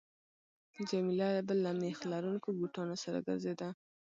جميله به له میخ لرونکو بوټانو سره ګرځېده.